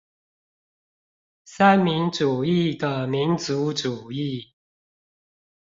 三民主義的民族主義